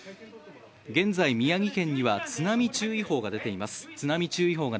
現在、宮城県には津波注意報が出ています。